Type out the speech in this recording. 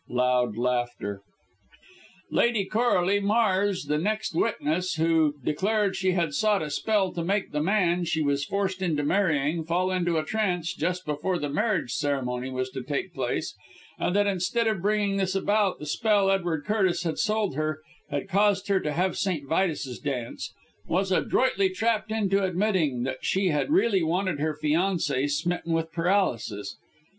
(Loud laughter.) Lady Coralie Mars, the next witness, who declared she had sought a spell to make the man, she was forced into marrying, fall into a trance, just before the marriage ceremony was to take place; and that, instead of bringing this about, the spell Edward Curtis had sold her had caused her to have St. Vitus's Dance, was adroitly trapped into admitting that she had really wanted her fiancé smitten with paralysis.